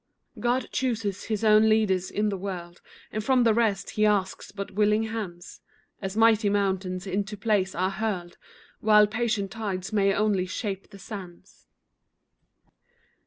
God chooses His own leaders in the world, And from the rest He asks but willing hands. As mighty mountains into place are hurled, While patient tides may only shape the sands.